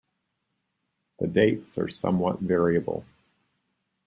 The dates are somewhat variable.